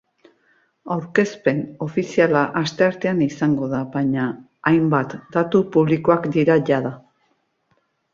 Aurkezpen ofiziala asteartean izango da, baina hainbat datu publikoak dira jada.